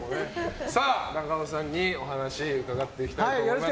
中尾さんにお話を伺っていきたいと思います。